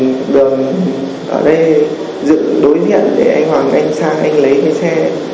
và đường ở đây dựng đối diện để anh hoàng xa anh lấy cái xe